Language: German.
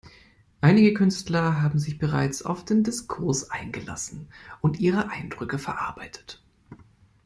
Einige Künstler haben sich bereits auf den Diskurs eingelassen und ihre Eindrücke verarbeitet.